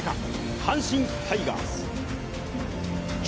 阪神タイガース。